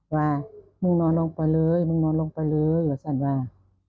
ว่ามึงนอนลงไปเลยมึงนอนลงไปเลยสั้นว่า